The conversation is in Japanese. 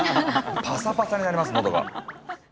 パサパサになります喉が。